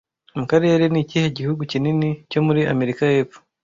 Mu karere nikihe gihugu kinini cyo muri Amerika yepfo